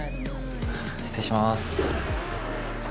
失礼します。